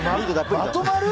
まとまる？